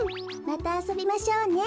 またあそびましょうね。